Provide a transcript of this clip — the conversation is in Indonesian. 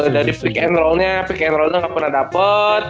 dari pick and roll nya pick and roll nya gak pernah dapet